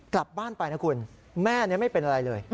กลับบ้านไปนะคุณแม่ไม่เป็นอะไรเลย